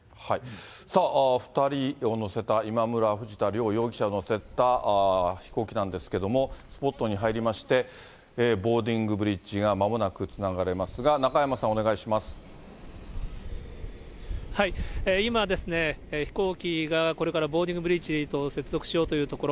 さあ、２人を乗せた、今村、藤田両容疑者を乗せた飛行機なんですけども、スポットに入りまして、ボーディングブリッジがまもなくつながれますが、中山さん、今、飛行機がこれからボーディングブリッジへと接続しようというところ。